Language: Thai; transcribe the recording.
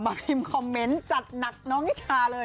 พิมพ์คอมเมนต์จัดหนักน้องนิชาเลย